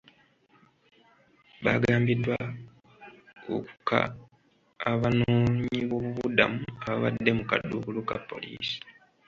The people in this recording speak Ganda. Baagambiddwa okuka abanoonyiboobubudamu abaabadde mu kaduukulu ka poliisi.